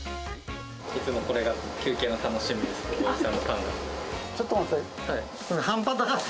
いつもこれが休憩の楽しみです。